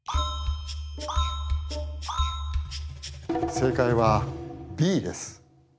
正解はＢです。